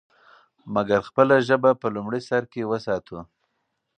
مګر خپله ژبه په لومړي سر کې وساتو.